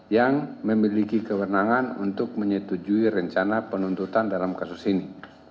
yang memiliki kewenangan untuk menyetujui rencana penuntutan dalam kasus ini